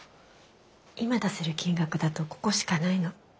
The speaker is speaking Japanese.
今出せる金額だとここしかないの。